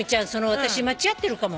私間違ってるかも。